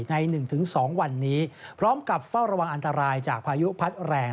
ใน๑๒วันนี้พร้อมกับเฝ้าระวังอันตรายจากพายุพัดแรง